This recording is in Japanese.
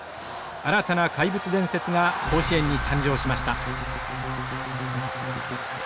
新たな怪物伝説が甲子園に誕生しました。